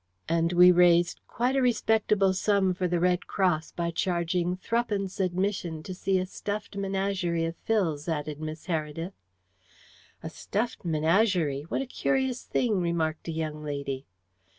"And we raised quite a respectable sum for the Red Cross by charging threepence admission to see a stuffed menagerie of Phil's," added Miss Heredith. "A stuffed menagerie! What a curious thing," remarked a young lady.